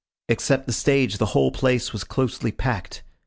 Except the stage the whole place was closely packed.